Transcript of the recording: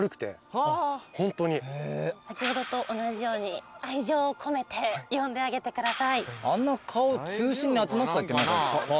先ほどと同じように愛情を込めて呼んであげてください。